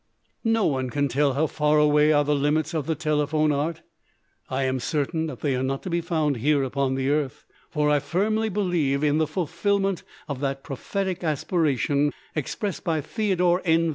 No one can tell how far away are the limits of the telephone art, I am certain that they are not to be found here upon the earth, for I firmly believe in the fulfilment of that prophetic aspiration expressed by Theodore N.